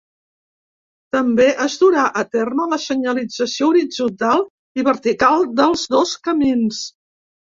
També es durà a terme la senyalització horitzontal i vertical dels dos camins.